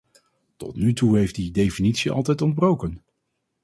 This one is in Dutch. Tot nu toe heeft die definitie altijd ontbroken.